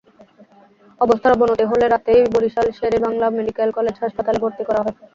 অবস্থার অবনতি হলে রাতেই বরিশাল শের-ই-বাংলা মেডিকেল কলেজ হাসপাতালে ভর্তি করা হয়।